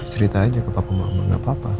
cerita aja ke papa mama gak apa apa